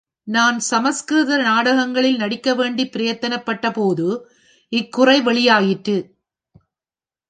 நான் சம்ஸ்கிருத நாடகங்களில் நடிக்கவேண்டிப் பிரயத்தனபட்டபோது, இக் குறை வெளியாயிற்று.